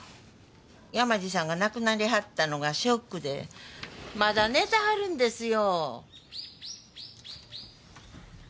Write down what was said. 山路さんが亡くなりはったのがショックでまだ寝てはるんですよ。